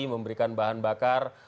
memberikan bahan bakar